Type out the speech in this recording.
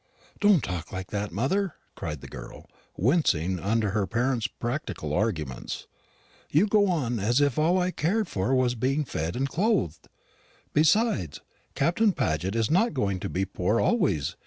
"Don't talk like that, mother," cried the girl, wincing under her parent's practical arguments; "you go on as if all I cared for was being fed and clothed. Besides, Captain Paget is not going to be poor always.